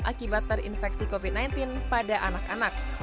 akibat terinfeksi covid sembilan belas pada anak anak